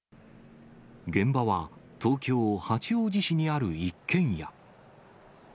現場は、東京・八王子市にある一軒家。